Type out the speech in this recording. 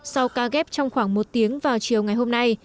sau ca ghép trong khoảng một tiếng vào chiều ngày hôm nay